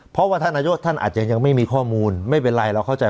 เพราะว่าท่านนายกท่านอาจจะยังไม่มีข้อมูลไม่เป็นไรเราเข้าใจ